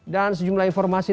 dan sejumlah informasi